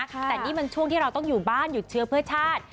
แต่นี่มันช่วงที่เราต้องอยู่บ้านหยุดเชื้อเพื่อชาติ